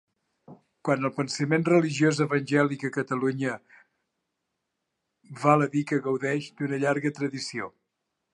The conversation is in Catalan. Quant al pensament religiós evangèlic a Catalunya, val a dir que gaudeix d’una llarga tradició.